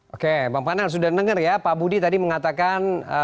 oke bang panel sudah dengar ya pak budi tadi mengatakan